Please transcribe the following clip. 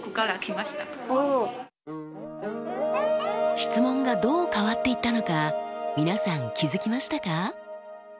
質問がどう変わっていったのか皆さん気付きましたか？